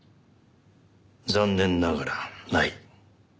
残念ながらない。